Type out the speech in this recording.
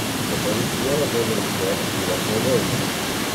Le policiero debe dicer "il es le lege".